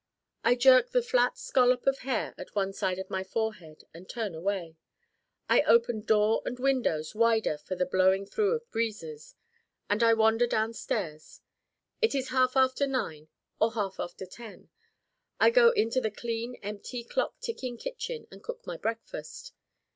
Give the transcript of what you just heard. I jerk the flat scollop of hair at one side of my forehead and turn away. I open door and windows wider for the blowing through of breezes. And I wander down stairs. It is half after nine or half after ten. I go into the clean empty clock ticking kitchen and cook my breakfast.